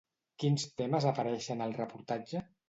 Quins temes apareixen al reportatge?